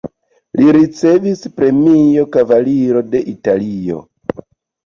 Li ricevis premion "Kavaliro de Italio".